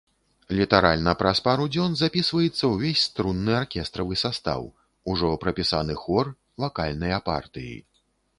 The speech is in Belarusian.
Літаральна праз пару дзён запісваецца ўвесь струнны аркестравы састаў, ужо прапісаны хор, вакальныя партыі.